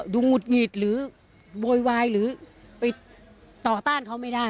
หงุดหงิดหรือโวยวายหรือไปต่อต้านเขาไม่ได้